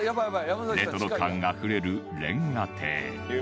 レトロ感あふれる瓦亭